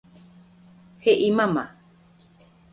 He'i mama.